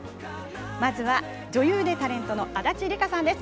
まずは女優でタレントの足立梨花さんです。